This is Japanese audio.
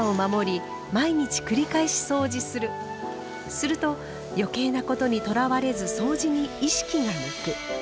すると余計なことにとらわれずそうじに意識が向く。